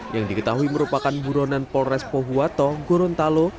yang diketahui merupakan buronan polres pohuwato gurun talo